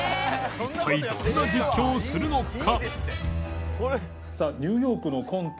一体どんな実況をするのか？